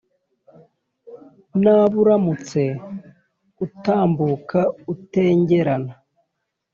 Naburamutse utambuka utengerana